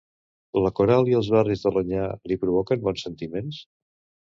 La coral i els barris de l'Onyar li provoquen bons sentiments?